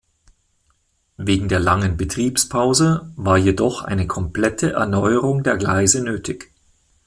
Wegen der langen Betriebspause war jedoch eine komplette Erneuerung der Gleise nötig.